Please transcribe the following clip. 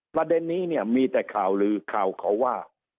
ประเด็นนี้เนี่ยมีแต่ข่าวลือข่าวเขาว่า